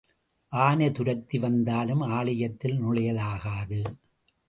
ஆனை துரத்தி வந்தாலும் ஆலயத்தில் நுழையலாகாது.